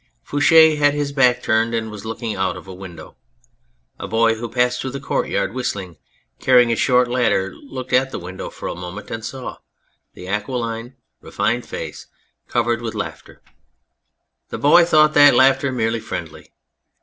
Fouche had his back turned and was looking out of a window. A boy who passed through the courtyard whistling, carrying a short ladder, looked at the window for a moment and saw the aquiline, refined face covered with laughter. The boy thought that laughter merely friendly.